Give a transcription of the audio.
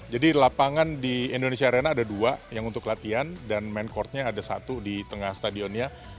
jadi lapangan di indonesia arena ada dua yang untuk latihan dan main courtnya ada satu di tengah stadionnya